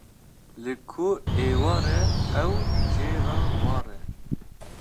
Li ku êvar e ew jê re war e.